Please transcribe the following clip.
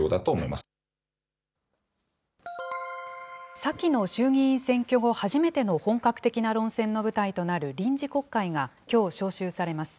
先の衆議院選挙後、初めての本格的な論戦の舞台となる臨時国会が、きょう召集されます。